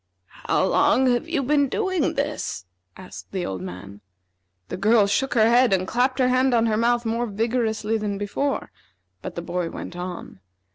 "How long have you been doing this?" asked the old man. The girl shook her head and clapped her hand on her mouth more vigorously than before, but the boy went on.